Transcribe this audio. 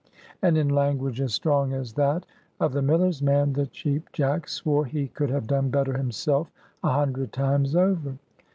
And in language as strong as that of the miller's man the Cheap Jack swore he could have done better himself a hundred times over.